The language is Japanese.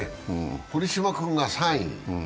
堀島君が３位。